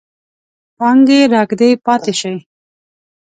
پانګې راکدې پاتې شي.